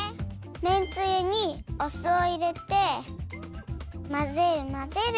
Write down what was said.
めんつゆにお酢をいれてまぜるまぜる。